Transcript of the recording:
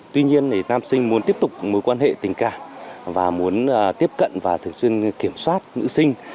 tuy nhiên nam sinh muốn tiếp tục mối quan hệ tình cảm và muốn tiếp cận và thường xuyên kiểm soát nữ sinh